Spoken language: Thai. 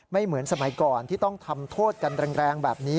เหมือนสมัยก่อนที่ต้องทำโทษกันแรงแบบนี้